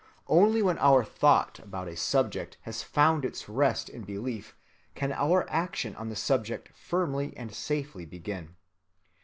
Only when our thought about a subject has found its rest in belief can our action on the subject firmly and safely begin.